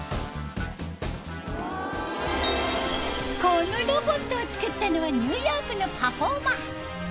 このロボットを作ったのはニューヨークのパフォーマー。